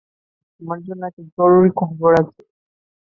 তোমার জন্য একটা জরুরি খবর আছে।